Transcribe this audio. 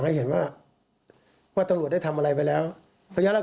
นั่นหมดทุกอย่าง